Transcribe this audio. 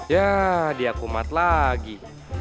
ya diakumat lagi